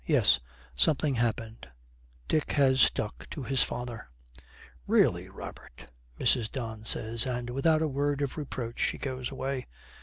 Yes, something happened: Dick has stuck to his father. 'Really, Robert!' Mrs. Don says, and, without a word of reproach, she goes away.